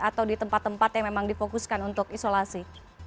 atau tempat yang memang di fokuskan untuk isolasi